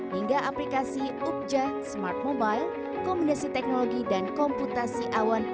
hingga aplikasi ukja smart mobile kombinasi teknologi dan komputasi awan